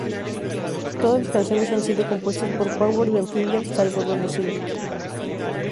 Todas las canciones han sido compuestas por Powderfinger, salvo donde se indique.